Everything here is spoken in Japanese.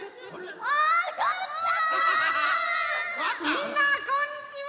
みんなこんにちは！